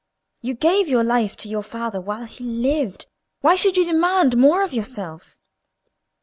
You gave your life to your father while he lived; why should you demand more of yourself?"